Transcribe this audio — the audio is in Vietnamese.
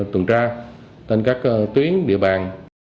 từng ra trên các tuyến địa bàn